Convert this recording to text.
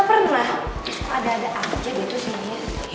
kok ada ada aja gitu sih dia